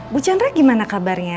bu chandra gimana kabarnya